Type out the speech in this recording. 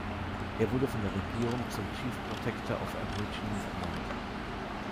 Er wurde von der Regierung zum Chief-Protector of Aborigines ernannt.